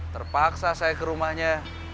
terpaksa saya ke rumahnya